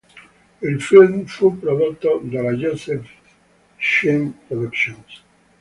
Il film fu prodotto dalla Joseph M. Schenck Productions.